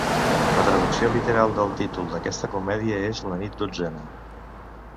La traducció literal del títol d’aquesta comèdia és La nit dotzena.